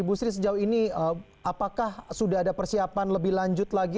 ibu sri sejauh ini apakah sudah ada persiapan lebih lanjut lagi